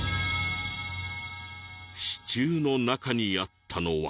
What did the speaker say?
支柱の中にあったのは。